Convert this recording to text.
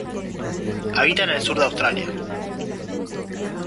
Habita en el Sur de Australia.